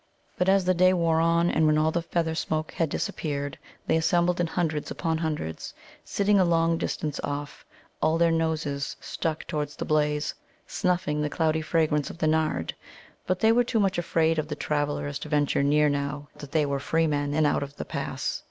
But as the day wore on, and when all the feather smoke had dispersed, they assembled in hundreds upon hundreds, sitting a long distance off, all their noses stuck out towards the blaze, snuffing the cloudy fragrance of the nard. But they were too much afraid of the travellers to venture near now that they were free men and out of the pass.